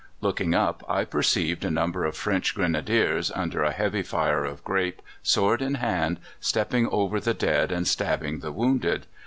"Looking up, I perceived a number of French Grenadiers, under a heavy fire of grape, sword in hand, stepping over the dead and stabbing the wounded.